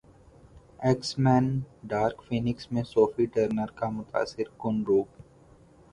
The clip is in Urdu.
ایکس مین ڈارک فینکس میں صوفی ٹرنر کا متاثر کن روپ